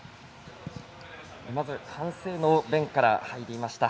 まず反省の弁から入りました。